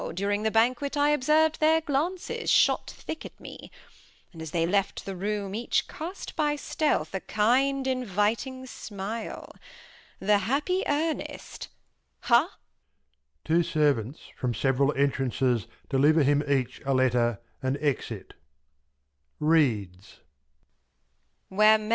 During the Banquet, I observ'd their Glances Shot thick at me ; and, as they left the Room, Each cast, by stealth, a kind inviting Smile, The happy Earnest ^ha